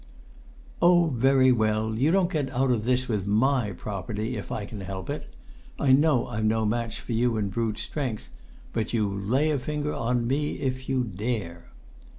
"Oh, very well! You don't get out of this, with my property, if I can help it! I know I'm no match for you in brute strength, but you lay a finger on me if you dare!"